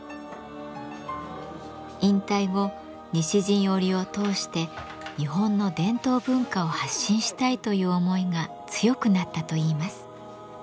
引退後西陣織を通して日本の伝統文化を発信したいという思いが強くなったといいます。